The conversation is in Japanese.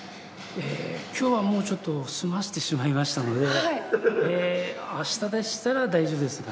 今日はもうちょっと済ませてしまいましたので明日でしたら大丈夫です。